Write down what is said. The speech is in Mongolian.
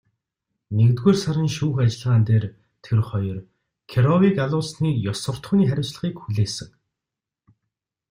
Нэгдүгээр сарын шүүх ажиллагаан дээр тэр хоёр Кировыг алуулсны ёс суртахууны хариуцлагыг хүлээсэн.